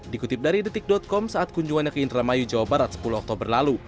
dikutip dari detik com saat kunjungannya ke indramayu jawa barat sepuluh oktober lalu